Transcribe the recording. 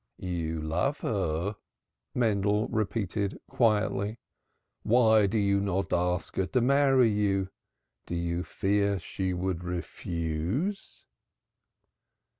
"You love her," Mendel repeated quietly. "Why do you not ask her to marry you? Do you fear she would refuse?"